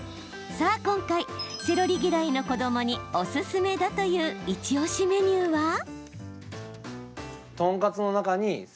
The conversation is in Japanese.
さあ今回、セロリ嫌いの子どもにおすすめだというイチおしメニューは。